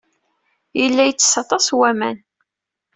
Yella yettess aṭas n waman.